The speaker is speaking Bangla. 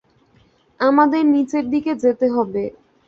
আমাদের নিচের দিকে যেতে হবে।